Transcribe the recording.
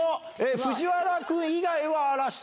藤原君以外は嵐と。